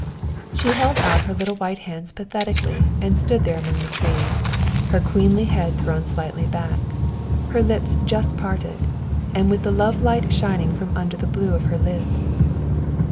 She held out her little white hands pathetically and stood there among the trees, her queenly head thrown slightly back, her lips just parted, and with the love light smiling from under the blue of her lids.